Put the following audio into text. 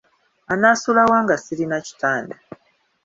Anaasula wa nga sirina kitanda?